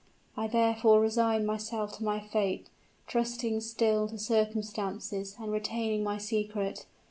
I therefore resigned myself to my fate, trusting still to circumstances, and retaining my secret.